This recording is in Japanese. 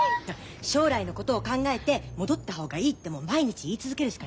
将来のことを考えて戻った方がいいって毎日言い続けるしかないよ。